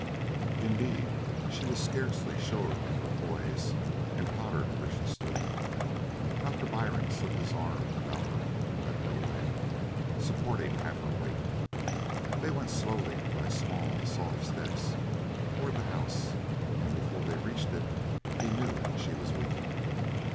Indeed, she was scarcely sure of her poise, and tottered where she stood. Doctor Byrne slipped his arm about her and led her away, supporting half her weight. They went slowly, by small, soft steps, towards the house, and before they reached it, he knew that she was weeping.